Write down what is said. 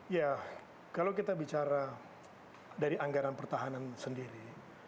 ya kalau kita bicara dari anggaran pertahanan sendiri